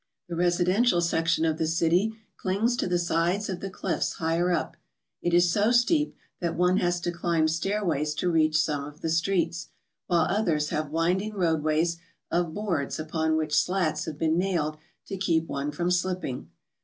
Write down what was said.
The residential section of the city clings to the sides of the cliffs higher up. It is so steep that one has to climb stair ways to reach some of the streets, while others have winding roadways of boards upon which slats have been nailed to keep one from slipping.